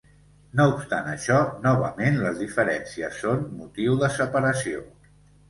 No obstant això, novament les diferències són motiu de separació.